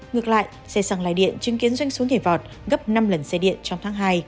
ngược lại xe xăng lai điện chứng kiến doanh số nhảy vọt gấp năm lần xe điện trong tháng hai